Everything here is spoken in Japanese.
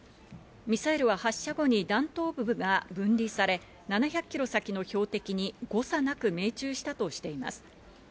ミサイルは発射後に弾頭部が分離され、７００キロ先の標的に誤差なく命中したとしています。